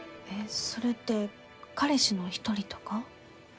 えっそれって彼氏の一人とか？